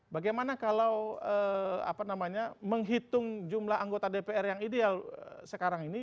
bagaimana kalau menghitung jumlah anggota dpr yang ideal sekarang ini